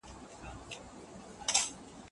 لوړ استعداد د لوړو افکارو لامل کیږي.